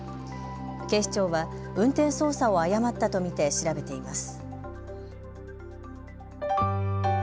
警視庁は運転操作を誤ったと見て調べています。